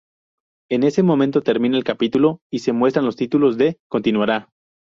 En ese momento termina el capítulo y se muestran los títulos de "Continuara...".